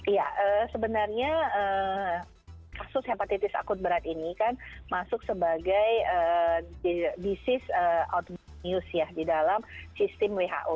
ya sebenarnya kasus hepatitis akut berat ini kan masuk sebagai disease outbound news ya di dalam sistem who